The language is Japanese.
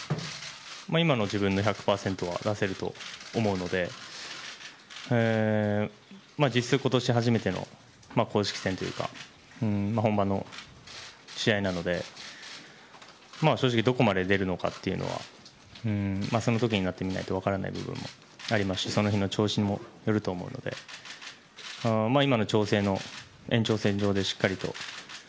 今の自分の１００％は出せると思うので実質、今年初めての公式戦というか本番の試合なので正直どこまで出るのかっていうのはその時になってみないと分からない部分もありますしその日の調子にもよると思うので今の調整の延長線上でしっかりと。